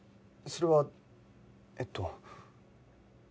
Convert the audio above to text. それはえっと。